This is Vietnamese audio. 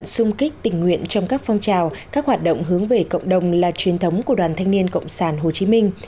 sung kích tình nguyện trong các phong trào các hoạt động hướng về cộng đồng là truyền thống của đoàn thanh niên cộng sản hồ chí minh